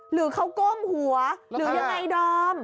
หรือเขาก้มหัวหรือยังไงดอม